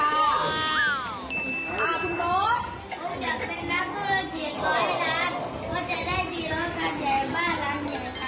หนูอยากเป็นนักศูนย์เกียรติร้อยรัก